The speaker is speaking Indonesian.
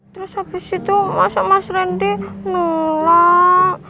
terus habis itu masa mas rendy nolak